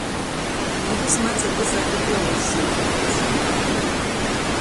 Nu itys mads ir vysaidu pļovys zīdu mads.